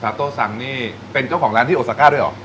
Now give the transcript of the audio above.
โตสังนี่เป็นเจ้าของร้านที่โอซาก้าด้วยเหรอ